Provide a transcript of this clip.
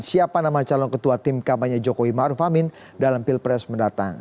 siapa nama calon ketua tim kampanye jokowi maruf amin dalam pilpres mendatang